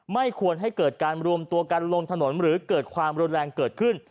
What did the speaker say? ไม่ควรให้เกิดการรวมตัวกันลงถนนหรือเกิดความรุนแรงเกิดขึ้น